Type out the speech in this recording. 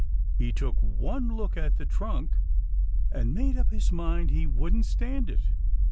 He took one look at that trunk and made up his mind he wouldn't stand it.